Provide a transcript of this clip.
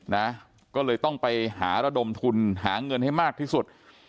นะก็เลยต้องไปหาระดมทุนหาเงินให้มากที่สุด